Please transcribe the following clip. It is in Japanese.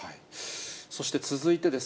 そして続いてです。